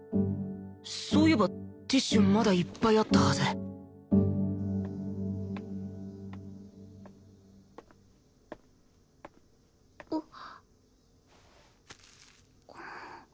そういえばティッシュまだいっぱいあったはずあっ。